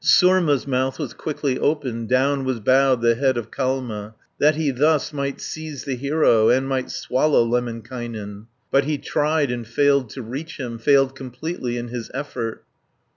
Surma's mouth was quickly opened, Down was bowed the head of Kalma, That he thus might seize the hero, And might swallow Lemminkainen; But he tried, and failed to reach him, Failed completely in his effort.